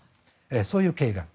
そういう経緯がある。